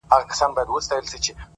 بیا خرڅ کړئ شاه شجاع یم پر پردیو ـ